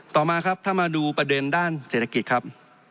ต่อมาครับถ้ามาดูประเด็นด้านเศรษฐกิจครับ